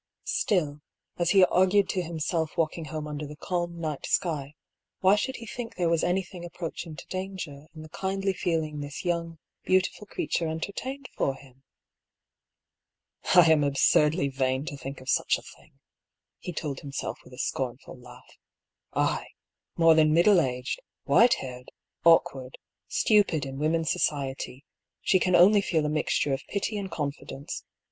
Still, as he argued to himself walking home under the calm night sky, why should he think there was anything approaching to danger in the kindly feeling this young, beautiful creature entertained for him ?" I am absurdly vain to think of such a thing," he told himself with a scornful laugh. " I, more than middle aged, white haired, awkward, stupid in women's society, she can only feel a mixture of pity and confi dence.